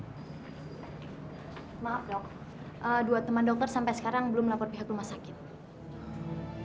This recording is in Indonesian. maaf dok dua teman dokter sampai sekarang belum melapor pihak rumah sakit